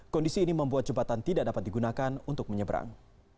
kondisi ini membuat jembatan tidak dapat digunakan untuk menyeberang